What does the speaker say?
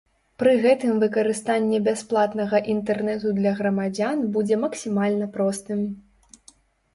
Пры гэтым выкарыстанне бясплатнага інтэрнэту для грамадзян будзе максімальна простым.